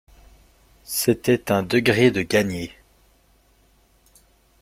C’était un degré de gagné.